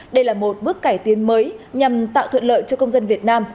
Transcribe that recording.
đây là một bước cải tiến mới nhằm tạo thuận lợi cho công dân việt nam